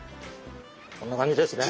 こんな感じですね。